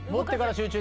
集中！